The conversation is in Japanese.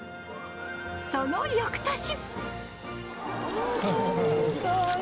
そのよくとし。